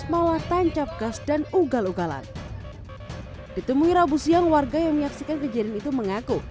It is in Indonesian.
malah tancap gas dan ugal ugalan ditemui rabu siang warga yang menyaksikan kejadian itu mengaku